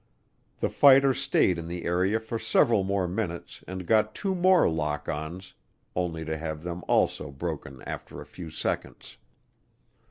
The fighter stayed in the area for several more minutes and got two more lock ons, only to have them also broken after a few seconds.